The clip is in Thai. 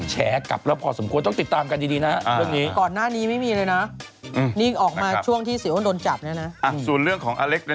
แฉกกับเรื่องเราพอสมควรต้องติดตามกันดีนะเรื่องนี้